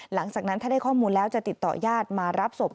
หลังจากนั้นถ้าได้ข้อมูลแล้วจะติดต่อญาติมารับศพ